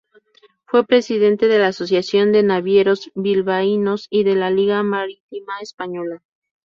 Fue Presidente de la Asociación de Navieros Bilbaínos y de la Liga Marítima Española.